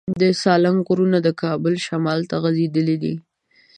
د سالنګ غرونه د کابل شمال ته غځېدلي دي.